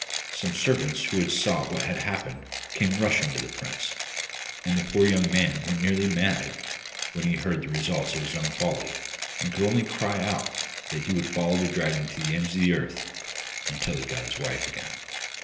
Some servants who saw what had happened came rushing to the prince, and the poor young man went nearly mad when he heard the result of his own folly, and could only cry out that he would follow the dragon to the ends of the earth, until he got his wife again.